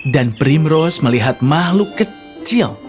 dan primrose melihat makhluk kecil